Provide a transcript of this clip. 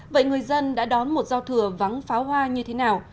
vậy người dân đã đón một giao thừa vắng pháo hoa như thế nào